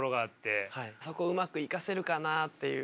そこをうまく生かせるかなっていう。